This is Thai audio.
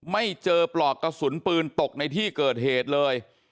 ไม่เจอปลอกกระสุนปืนตกในที่เกิดเหตุเลย